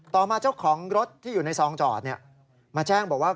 ต่อมาเจ้าของรถที่อยู่ในซองจอดมาแจ้งบอกว่า